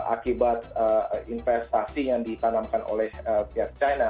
akibat investasi yang ditanamkan oleh pihak china